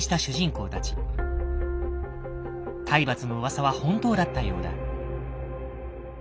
体罰の噂は本当だったようだ。